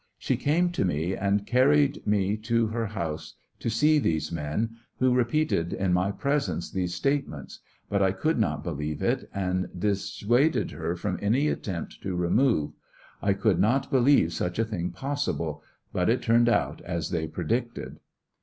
She came to me and carried mo to her house to see these men, who. repeated in my presence these statements, but I could not believe it, and dis suaded her from any attempt to remove; I could not believe such a thing possible, but it turned out as they predicted".